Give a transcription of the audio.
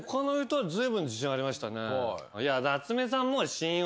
はい。